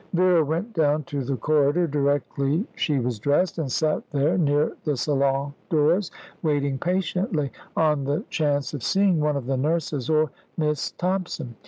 Vera went down to the corridor, directly she was dressed, and sat there, near the salon doors, waiting patiently, on the chance of seeing one of the nurses, or Miss Thompson.